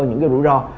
những cái rủi ro